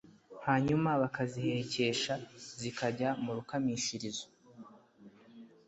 hanyuma bakazihekesha zikajya mu Rukamishirizo